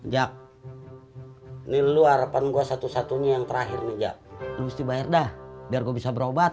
jak lilu harapan gua satu satunya yang terakhir nijak lu sih bayar dah biar bisa berobat